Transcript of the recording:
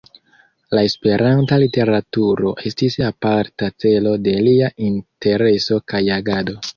La Esperanta literaturo estis aparta celo de lia intereso kaj agado.